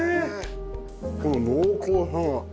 この濃厚さが。